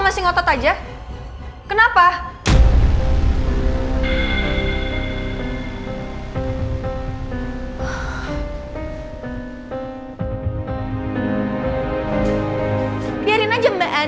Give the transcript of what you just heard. reina kerair kali ya mer